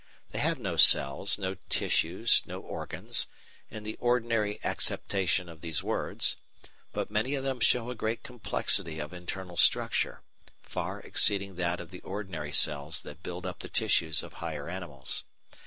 They have no cells, no tissues, no organs, in the ordinary acceptation of these words, but many of them show a great complexity of internal structure, far exceeding that of the ordinary cells that build up the tissues of higher animals.